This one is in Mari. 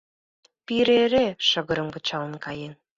Пире эре шыгырым кычалын каен.